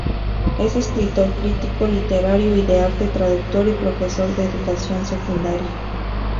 Es escritor, crítico literario y de arte, traductor y profesor de educación secundaria.